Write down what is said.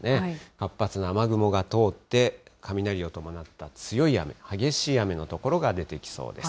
活発な雨雲が通って、雷を伴った強い雨、激しい雨の所が出てきそうです。